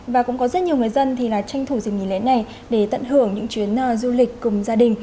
và cũng có rất nhiều người dân thì là tranh thủ dịp nghỉ lễ này để tận hưởng những chuyến du lịch cùng gia đình